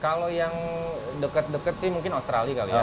kalau yang dekat dekat sih mungkin australia kali ya